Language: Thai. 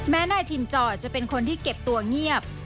นายถิ่นจอจะเป็นคนที่เก็บตัวเงียบ